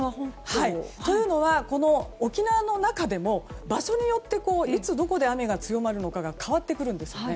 というのは、沖縄の中でも場所によっていつどこで雨が強まるのか変わってくるんですね。